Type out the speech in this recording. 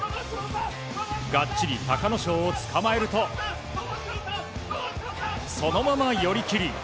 がっちり隆の勝をつかまえるとそのまま寄り切り。